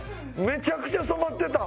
めちゃくちゃ染まってた！